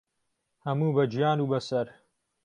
ههموو به گیان و بە سەر